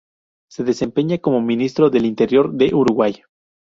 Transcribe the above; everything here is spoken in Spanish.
Se desempeña como Ministro del Interior de Uruguay.